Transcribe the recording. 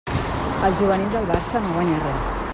El juvenil del Barça no guanya res.